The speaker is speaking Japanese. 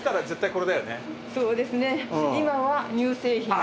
そうですね。